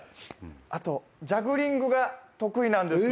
あとジャグリングが得意なんです。